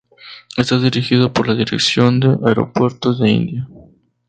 Está dirigido por la Dirección de Aeropuertos de India.